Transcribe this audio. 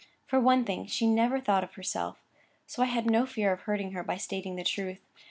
For one thing, she never thought of herself, so I had no fear of hurting her by stating the truth.